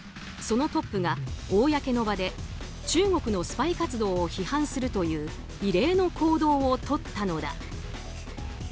そのトップが公の場で中国のスパイ活動を批判するという異例の行動をとったのだ。